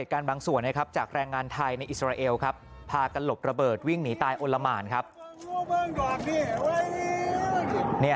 ตอนนี้เขาเป็นตายร้ายดียังไง